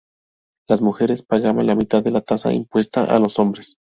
Las mujeres pagaban la mitad de la tasa impuesta a los hombres.